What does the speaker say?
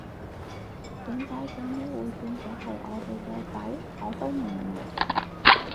點解最尾會變咗係我哋嘅仔，我都唔明